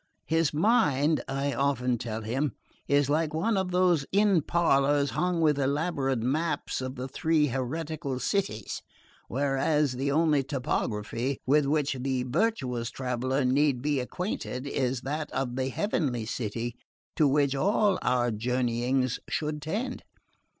His mind, I often tell him, is like one of those inn parlours hung with elaborate maps of the three Heretical Cities; whereas the only topography with which the virtuous traveller need be acquainted is that of the Heavenly City to which all our journeyings should tend.